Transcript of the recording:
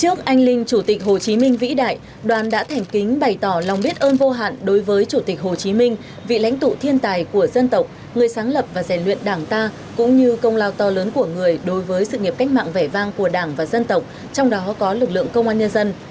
trước anh linh chủ tịch hồ chí minh vĩ đại đoàn đã thảnh kính bày tỏ lòng biết ơn vô hạn đối với chủ tịch hồ chí minh vị lãnh tụ thiên tài của dân tộc người sáng lập và rèn luyện đảng ta cũng như công lao to lớn của người đối với sự nghiệp cách mạng vẻ vang của đảng và dân tộc trong đó có lực lượng công an nhân dân